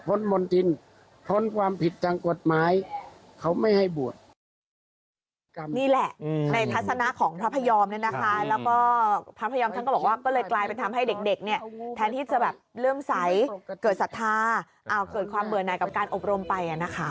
ก็เลยกลายเป็นทำให้เด็กแทนที่จะเริ่มใสเกิดศรัทธาเกิดความเบอร์นายกับการอบรมไป